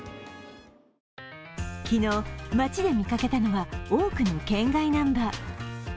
昨日、街で見かけたのは多くの県外ナンバー。